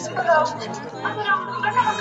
استاد له شاګرد څېړونکي سره په موضوع کي مشوره کوي.